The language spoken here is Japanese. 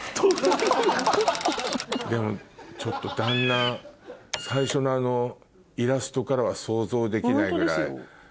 でもちょっと旦那最初のあのイラストからは想像できないぐらい。